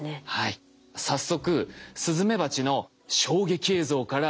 早速スズメバチの衝撃映像からご覧頂きます。